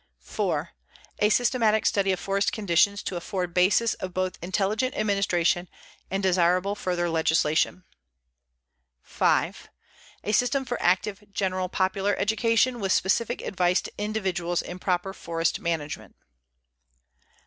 4. A systematic study of forest conditions to afford basis of both intelligent administration and desirable further legislation. 5. A system for active general popular education, with specific advice to individuals in proper forest management.